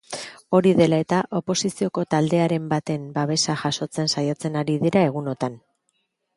Hori dela eta, oposizioko talderen baten babesa jasotzen saiatzen ari dira egunotan.